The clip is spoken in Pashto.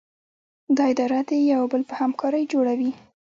دا اداره د یو بل په همکارۍ جوړه وي.